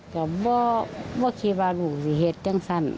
ก็บอกว่าเครียร์บาลูกสิเหตุจังสัน